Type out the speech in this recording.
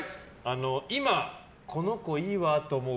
今、この子いいわあと思う